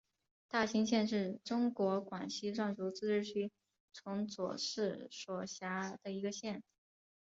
大新县是中国广西壮族自治区崇左市所辖的一个县。